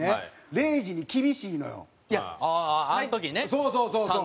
そうそうそうそう。